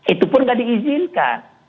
itu pun gak diizinkan